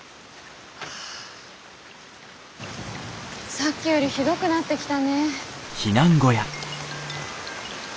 さっきよりひどくなってきたね。